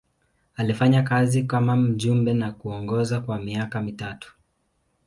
Alifanya kazi kama mjumbe na kuongoza kwa miaka mitatu.